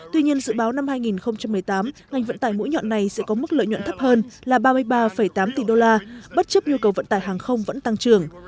tuy nhiên dự báo năm hai nghìn một mươi tám ngành vận tải mũi nhọn này sẽ có mức lợi nhuận thấp hơn là ba mươi ba tám tỷ đô la bất chấp nhu cầu vận tải hàng không vẫn tăng trưởng